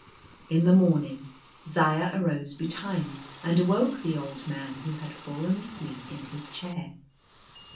In the morning Zaya arose betimes, and awoke the old man, who had fallen asleep in his chair.